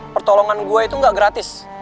pertolongan gue itu gak gratis